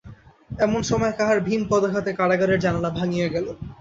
এমন সময় কাহার ভীম পদাঘাতে কারাগারের জানালা ভাঙিয়া গেল।